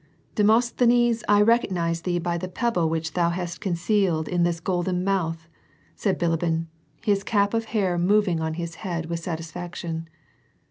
" Demosthenes I recognize thee by the pebble which thou hast coilcealed in this golden mouth," * said Bilibin, liis cap of hair moving on his head with satisfaction.